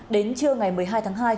đến trưa ngày một mươi hai tháng hai